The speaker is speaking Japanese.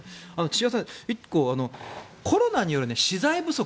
千々岩さん、１個コロナによる資材不足